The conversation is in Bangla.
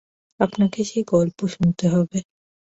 আপনাকে সেই গল্প শুনতে হবে।